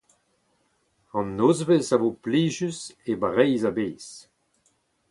An nozvezh a vo plijus e Breizh a-bezh.